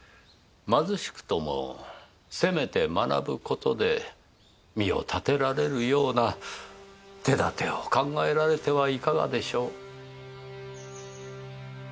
貧しくともせめて学ぶ事で身を立てられるような手立てを考えられてはいかがでしょう？